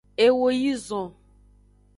Eo yi zon.